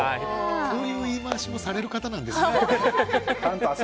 そういう言い回しもされる方なんですね。